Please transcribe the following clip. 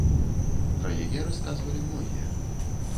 Пра яе расказвалі многія.